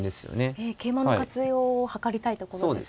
ええ桂馬の活用をはかりたいところですね。